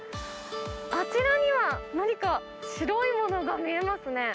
あちらには何か白いものが見えますね。